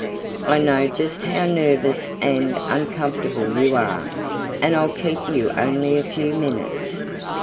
I know just how nervous and uncomfortable you are and I'll keep you only a few minutes.